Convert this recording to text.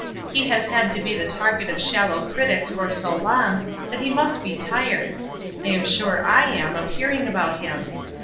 He has had to be the target of shallow critics for so long that he must be tired; I am sure I am, of hearing about him.